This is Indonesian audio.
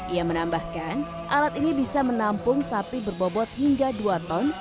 ia menambahkan alat ini bisa menampung sapi berbobot hingga dua ton